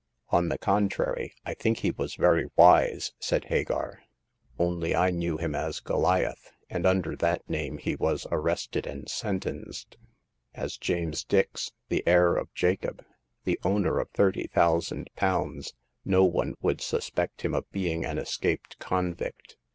" On the contrary, I think he was very wise," said Hagar ;only I knew him as Goliath, and under that name he was arrested and sentenced. As James Dix, the heir of Jacob, the owner of thirty thousand pounds, no one would suspect him of being an escaped convict.